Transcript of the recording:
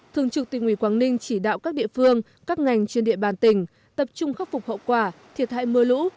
thường trực tỉnh ủy quảng ninh chỉ đạo các địa phương các ngành trên địa bàn tỉnh tập trung khắc phục hậu quả thiệt hại mưa lũ